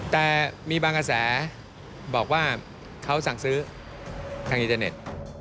แต่มีบางกระแสบอกว่าเขาสั่งซื้อทางอินเทอร์เน็ต